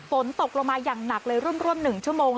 ฝนตกลงมาอย่างหนักเลยร่วม๑ชั่วโมง